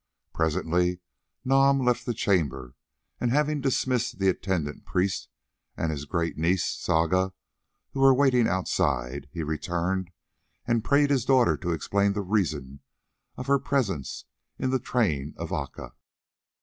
Presently Nam left the chamber, and having dismissed the attendant priest and his great niece, Saga, who were waiting outside, he returned and prayed his daughter to explain the reason of her presence in the train of Aca.